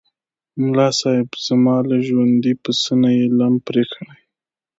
ملاصاحب! زما له ژوندي پسه نه یې لم پرې کړی و.